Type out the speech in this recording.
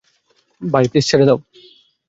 ভাই, প্লিজ ছেড়ে দাও।